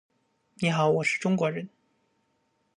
你好，我是中国人。